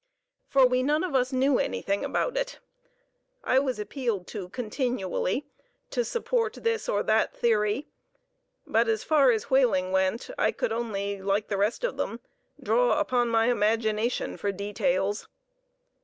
For we none of us knew anything about it. I was appealed to continually to support this or that theory, but as far as whaling went I could only, like the rest of them, draw upon my imagination for details.